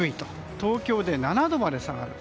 東京で７度まで下がると。